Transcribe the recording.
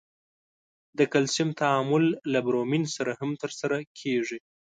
د کلسیم تعامل له برومین سره هم ترسره کیږي.